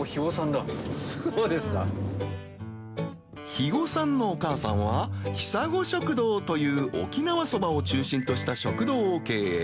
肥後さんのお母さんはひさご食堂という譴修个鮹羶瓦箸靴食堂を経営